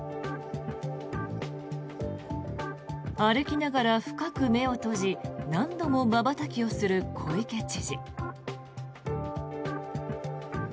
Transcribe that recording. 歩きながら深く目を閉じ何度もまばたきをする小池知事。